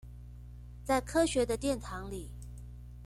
在科學的殿堂裡